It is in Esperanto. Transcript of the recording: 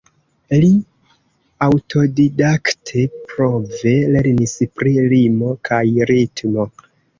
Li aŭtodidakte-prove lernis pri rimo kaj ritmo.